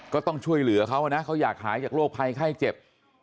ก็ต้องช่วยเหลือเขานะเขาอยากหายจากโรคภัยไข้เจ็บ